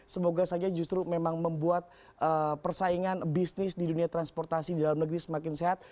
semoga saja justru memang membuat persaingan bisnis di dunia transportasi di dalam negeri semakin sehat